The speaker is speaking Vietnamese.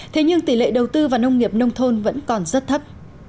thế nhưng tỷ lệ đầu tư vào nông nghiệp nông thôn vẫn còn rất thấp